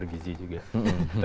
jadi kita harus mengingatkan itu